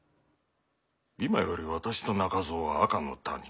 今より私と中蔵は赤の他人。